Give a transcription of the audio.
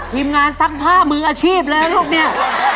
ทีมงานซักผ้ามืออาชีพเลยนะลูกเนี่ย